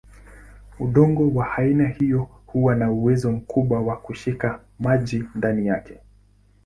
Udongo wa aina hiyo huwa na uwezo mkubwa wa kushika maji ndani yake.